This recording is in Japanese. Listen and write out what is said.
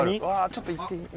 ちょっと行って。